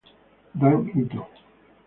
Dan Ito